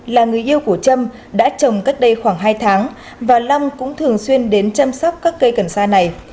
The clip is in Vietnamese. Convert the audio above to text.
là người yêu của trâm đã trồng cách đây khoảng hai tháng và long cũng thường xuyên đến chăm sóc các cây cần sa này